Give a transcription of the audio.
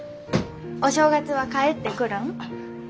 お正月は帰ってくるん？